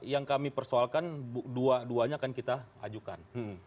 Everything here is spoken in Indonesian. yang kami persoalkan dua duanya akan kita ajukan